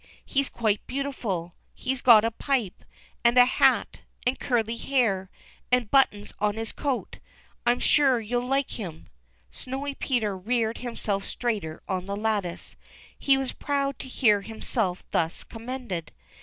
He's quite beautiful. He's got a pipe, and a hat, and curly hair, and buttons on his coat. I'm sure you'll like him." Snowy Peter reared himself straighter on the lattice. He was proud to hear himself thus commended.